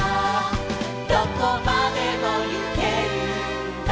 「どこまでもゆけるんだ」